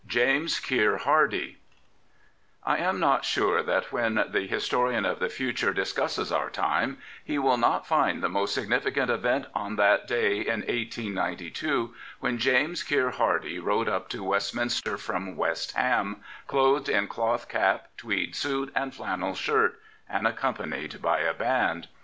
So JAMES KEIR HARDIE I AM not sure that when the historian of the future discusses our time he will not find the most significant event on that day in 1892 when James Keir Hardie rode up to Westminster from West Ham, clothed in cloth cap, tweed suit, and fl^nel shirt, and accom panied by a band.